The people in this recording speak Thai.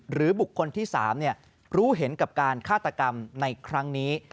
หรือบุคคลที่๓รู้เห็นกับการฆาตกรรมในครั้งนี้